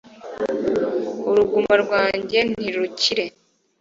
uruguma rwanjye ntirukire